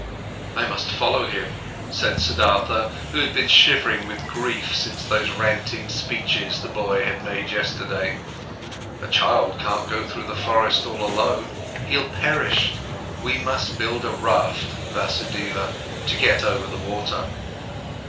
"I must follow him," said Siddhartha, who had been shivering with grief since those ranting speeches the boy had made yesterday. "A child can't go through the forest all alone. He'll perish. We must build a raft, Vasudeva, to get over the water."